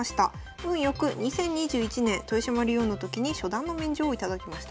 運良く２０２１年豊島竜王の時に初段の免状を頂きました。